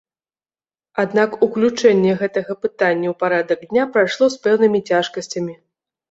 Аднак уключэнне гэтага пытання ў парадак дня прайшло з пэўнымі цяжкасцямі.